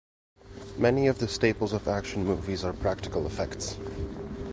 Many of the staples of action movies are practical effects.